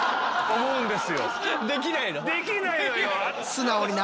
できないのよ。